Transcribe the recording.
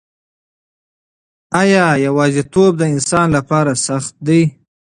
آیا یوازیتوب د انسان لپاره سخت دی؟